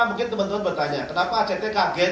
mungkin teman teman bertanya kenapa act kaget